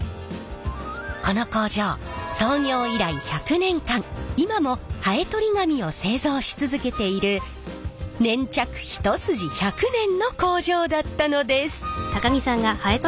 この工場創業以来１００年間今もハエとり紙を製造し続けている粘着一筋１００年の工場だったのです。